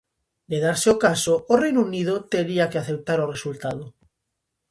De darse o caso, o Reino Unido tería que aceptar o resultado.